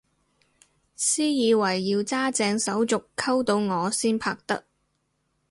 私以為要揸正手續溝到我先拍得